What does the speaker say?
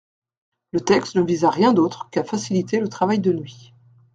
Le texte ne vise à rien d’autre qu’à faciliter le travail de nuit.